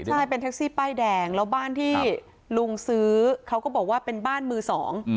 ใช่เป็นแท็กซี่ป้ายแดงแล้วบ้านที่ลุงซื้อเขาก็บอกว่าเป็นบ้านมือสอง